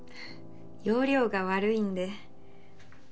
要領が悪いんで。